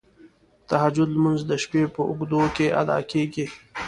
تهجد لمونځ د شپې په اوږدو کې ادا کیږی.